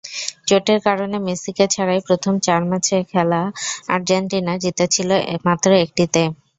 চোটের কারণে মেসিকে ছাড়াই প্রথম চার ম্যাচ খেলা আর্জেন্টিনা জিতেছিল মাত্র একটিতে।